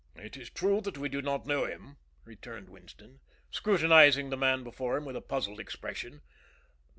"It is true that we do not know him," returned Winston, scrutinizing the man before him with a puzzled expression.